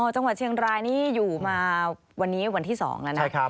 จังหวัดเชียงรายนี่อยู่มาวันนี้วันที่๒แล้วนะ